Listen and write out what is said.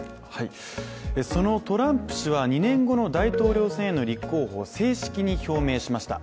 そのトランプ氏は２年後の大統領選への立候補を正式に表明しました。